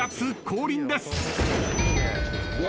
降臨です。